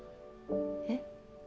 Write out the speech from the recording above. えっ？